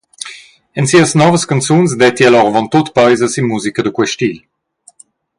En sias novas canzuns detti ella oravontut peisa sin musica da quei stil.